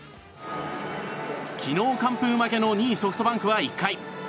昨日完封負けの２位ソフトバンクは１回。